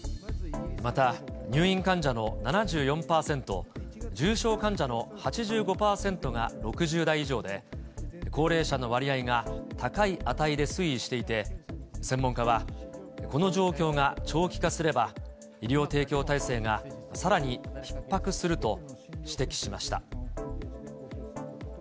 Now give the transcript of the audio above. また、入院患者の７４％、重症患者の８５％が６０代以上で、高齢者の割合が高い値で推移していて、専門家は、この状況が長期化すれば、医療提供体制がさらにひっ迫すると指摘しました。